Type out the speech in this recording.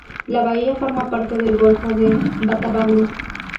La bahía forma parte del golfo de Batabanó.